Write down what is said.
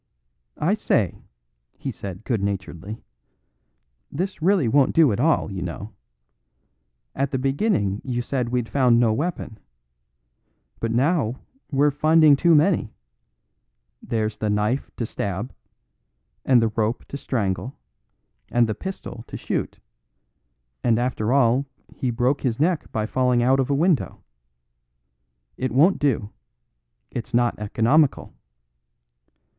"I say," he said good naturedly, "this really won't do at all, you know. At the beginning you said we'd found no weapon. But now we're finding too many; there's the knife to stab, and the rope to strangle, and the pistol to shoot; and after all he broke his neck by falling out of a window! It won't do. It's not economical."